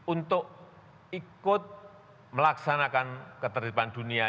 untuk ikut melaksanakan keterlibatan dunia